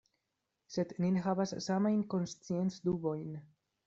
Sed ni ne havas samajn konsciencdubojn.